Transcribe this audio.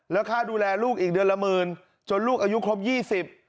แล้วค่าดูแลลูกอีกเดือนละหมื่นจนลูกอายุครบยี่สิบ